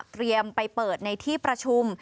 เตรียมไปเปิดในที่ประชุม